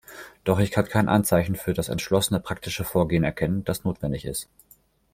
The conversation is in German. Doch ich kann kein Anzeichen für das entschlossene, praktische Vorgehen erkennen, das notwendig ist.